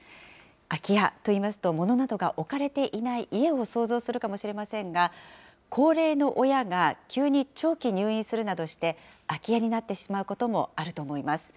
空き家といいますと、物などが置かれていない家を想像するかもしれませんが、高齢の親が急に長期入院するなどして空き家になってしまうこともあると思います。